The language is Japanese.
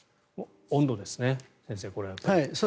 温度ですね、先生、これは。